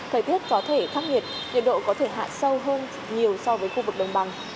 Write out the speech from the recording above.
thời tiết có thể khắc nhiệt nhiệt độ có thể hạ sâu hơn nhiều so với khu vực đồng bằng